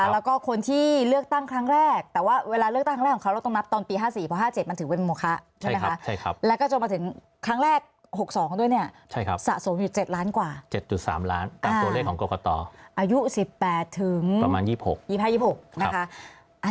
แล้วก็คนที่เลือกตั้งครั้งแรกแต่ว่าเวลาเลือกตั้งครั้งแรกของเขา